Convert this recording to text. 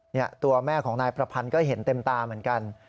เนี่ยตัวแม่ของนายประพันธ์ก็เห็นเต็มตาเหมือนกัน